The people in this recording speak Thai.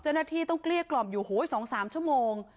เจ้าหน้าที่ต้องเกลี้ยกล่อมอยู่๒๓ชั่วโมง